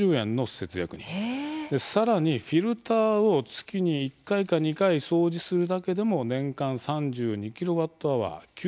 更にフィルターを月に１回か２回掃除するだけでも年間３２ｋＷｈ９９０円の節約となります。